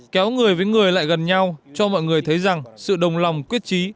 kéo người với người lại gần nhau cho mọi người thấy rằng sự đồng lòng quyết trí